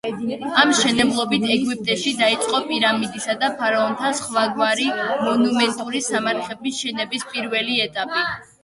ამ მშენებლობით ეგვიპტეში დაიწყო პირამიდებისა და ფარაონთა სხვაგვარი მონუმენტური სამარხების შენების პირველი ეტაპი.